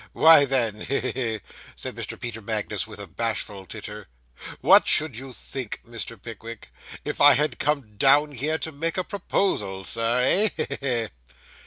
'Why, then, he he he!' said Mr. Peter Magnus, with a bashful titter, 'what should you think, Mr. Pickwick, if I had come down here to make a proposal, Sir, eh? He, he, he!